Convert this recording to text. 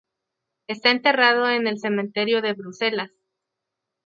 Está enterrado en el Cementerio de Bruselas.